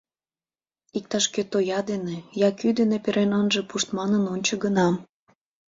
Иктаж-кӧ тоя дене, я кӱ дене перен ынже пушт манын ончо гына.